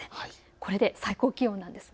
これで最高気温なんです。